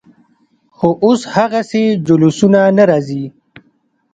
خو اوس هغسې جلوسونه نه راځي.